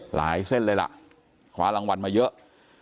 หลายเส้นเลยล่ะขวารางวัลมาเยอะ